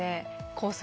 コース